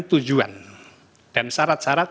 tujuan dan syarat syarat